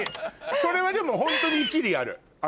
それはでもホントに一理ある。